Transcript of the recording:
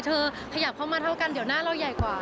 ขยับเข้ามาเท่ากันเดี๋ยวหน้าเราใหญ่กว่า